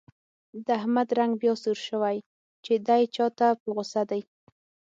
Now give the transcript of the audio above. د احمد رنګ بیا سور شوی، چې دی چا ته په غوسه دی.